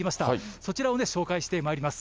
そちらを紹介してまいります。